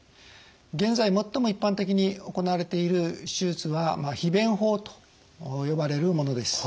現在最も一般的に行われている手術は皮弁法と呼ばれるものです。